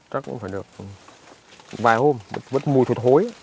chắc cũng phải được vài hôm vẫn mùi thuật hối